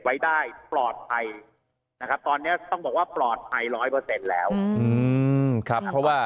ไว้ได้ปลอดภัยตอนนี้ต้องบอกว่าปลอดภัย๑๐๐แล้ว